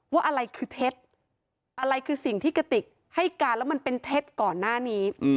ว่าอะไรคือเท็จอะไรคือสิ่งที่กระติกให้การแล้วมันเป็นเท็จก่อนหน้านี้